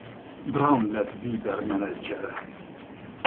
Braun lett Bieber menedzsere.